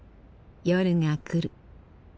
夜が来る。